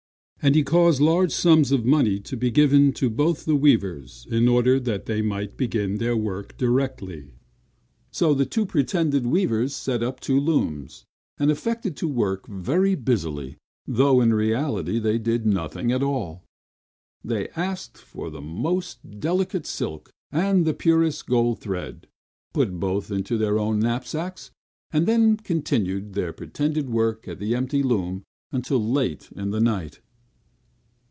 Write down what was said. And he caused large sums of money to be given to both the weavers in order that they might begin their work directly. So the two pretended weavers set up two looms, and affected to work very busily, though in reality they did nothing at all. They asked for the most delicate silk and the purest gold thread; put both into their own knapsacks; and then continued their pretended work at the empty looms until late at night.